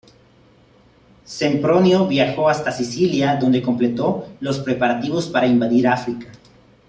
Sempronio viajó hasta Sicilia, donde completó los preparativos para invadir África.